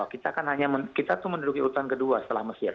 kita kan hanya kita tuh menduduki urutan kedua setelah mesir